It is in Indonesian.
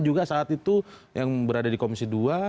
juga saat itu yang berada di komisi dua